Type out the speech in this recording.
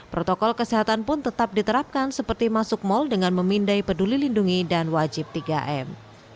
protokol kesehatan pun tetap diterapkan seperti masuk mal dengan memindai peduli lindungi dan wajib tiga m